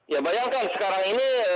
ya bayangkan sekarang ini